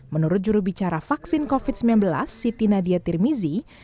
menurut jurubicara vaksin covid sembilan belas siti nadia tirmizi